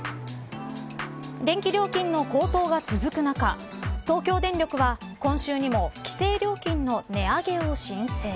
電気料金の高騰が続く中東京電力は今週にも規制料金の値上げを申請。